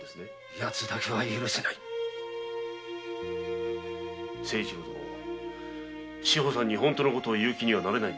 ヤツだけは許せない誠一郎殿と志保さんにそのことを言う気にはなれないんですか？